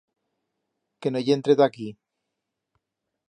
Que no i entre ta aquí.